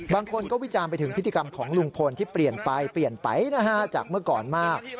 บางคนก็วิจารณ์ไปถึงพฤติกรรมของลุงพลที่เปลี่ยนไปจากเมื่อก่อนมาก